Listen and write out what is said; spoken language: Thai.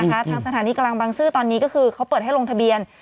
ทางสถานีกลางบางซื่อตอนนี้ก็คือเขาเปิดให้ลงทะเบียน